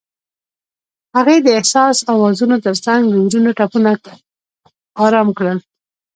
هغې د حساس اوازونو ترڅنګ د زړونو ټپونه آرام کړل.